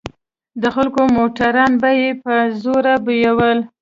د خلکو موټران به يې په زوره بيول.